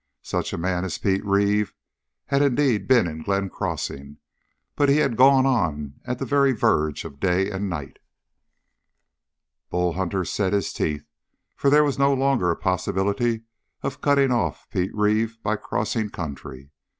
Such a man as Pete Reeve had indeed been in Glenn Crossing, but he had gone on at the very verge of day and night. Bull Hunter set his teeth, for there was no longer a possibility of cutting off Pete Reeve by crossing country.